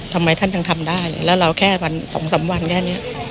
ทำไมท่านยังทำได้แล้วเราแค่วันสองสามวันแค่นี้